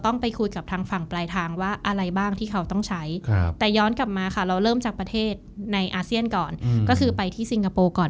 ในอาเซียนก่อนก็คือไปที่สิงครโปร์ก่อน